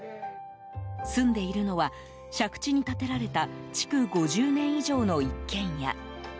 住んでいるのは借地に建てられた築５０年以上の一軒家。